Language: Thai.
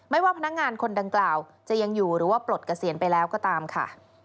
ว่าพนักงานคนดังกล่าวจะยังอยู่หรือว่าปลดเกษียณไปแล้วก็ตามค่ะ